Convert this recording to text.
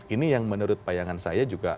ini yang menurut bayangan saya juga